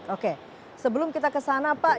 oke sebelum kita ke sana pak